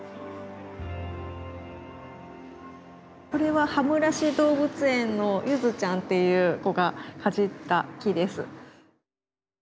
これは羽村市動物園のゆずちゃんっていう子がかじった木です。